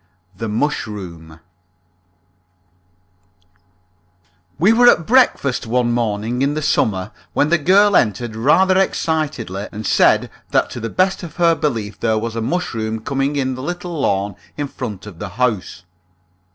THE MUSHROOM We were at breakfast one morning in the summer when the girl entered rather excitedly and said that to the best of her belief there was a mushroom coming in the little lawn in front of the house.